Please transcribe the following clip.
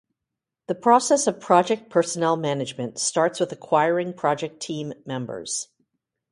The process of project personnel management starts with acquiring project team members.